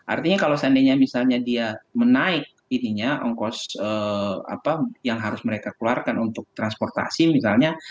artinya kalau seandainya misalnya dia menaik ongkos yang harus mereka keluarkan untuk transportasi misalnya